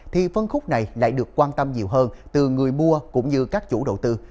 thì phân khúc này lại được quan tâm nhiều hơn từ người mua cũng như các chủ đầu tư